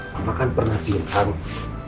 mama kan pernah bilang